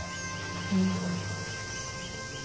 うん。